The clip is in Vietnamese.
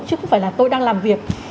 chứ không phải là tôi đang làm việc